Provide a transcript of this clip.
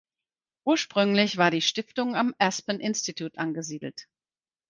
Ursprünglich war die Stiftung am Aspen Institute angesiedelt.